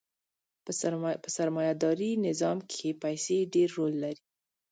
په سرمایه داري نظام کښې پیسې ډېر رول لري.